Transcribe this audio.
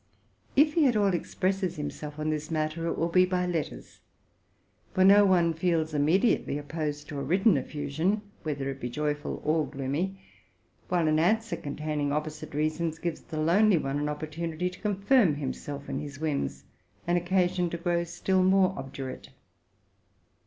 If he at all expresses an opinion on this mat ter, it will be by letters; for no one feels immediately opposed to a written effusion, whether it be joyful or gloomy : while an answer containing opposite reasons gives the lonely one an opportunity to confirm himself in his whims, — an occasion to grow still more obdurate.